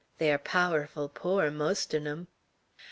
They air powerful pore, most on 'em."